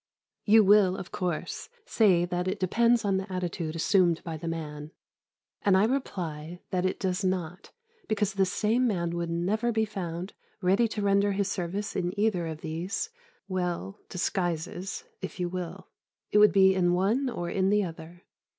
You will, of course, say that it depends on the attitude assumed by the man, and I reply that it does not, because the same man would never be found ready to render his service in either of these well disguises, if you will. It would be in one or in the other.